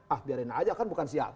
ah biarin aja kan bukan siapa